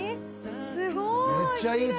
「すごーい！